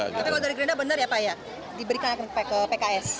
tapi kalau dari gerindra benar ya pak ya diberikan ke pks